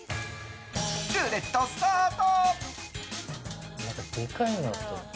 ルーレット、スタート！